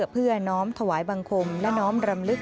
เพื่อน้อมถวายบังคมและน้อมรำลึก